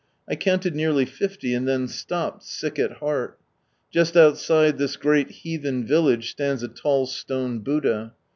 I counted nearly fifty, and then stopped, sick at heart. Just outside this great heathen village, stands a tall stone Buddha.